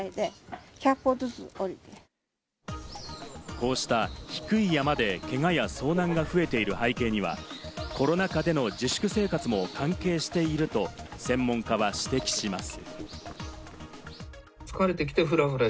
こうした低い山でけがや遭難が増えている背景には、コロナ禍での自粛生活も関係していると専門家は指摘します。